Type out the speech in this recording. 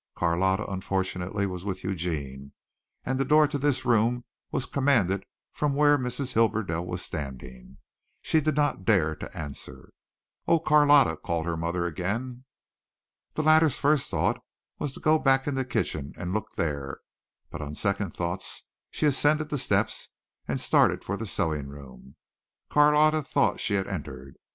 Carlotta unfortunately was with Eugene and the door to this room was commanded from where Mrs. Hibberdell was standing. She did not dare to answer. "Oh, Carlotta," called her mother again. The latter's first thought was to go back in the kitchen and look there, but on second thoughts she ascended the steps and started for the sewing room. Carlotta thought she had entered.